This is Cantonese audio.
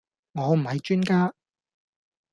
我唔係專家